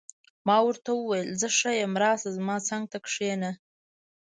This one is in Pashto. ما ورته وویل: زه ښه یم، راشه، زما څنګ ته کښېنه.